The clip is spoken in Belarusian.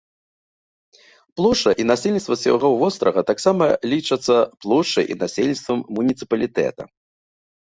Плошча і насельніцтва ўсяго вострава таксама лічацца плошчай і насельніцтвам муніцыпалітэта.